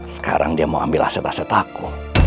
sekarang dia mau ambil aset aset aku